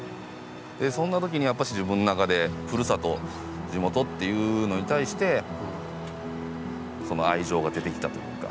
そんな時にやっぱし自分の中でふるさと地元っていうのに対して愛情が出てきたというか。